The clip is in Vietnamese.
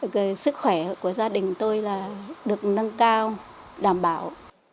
về sức khỏe của gia đình tôi là được nâng cao đảm bảo